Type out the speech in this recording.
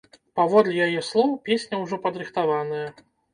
Паводле яе слоў, песня ўжо падрыхтаваная.